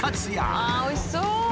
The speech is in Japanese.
ああおいしそう！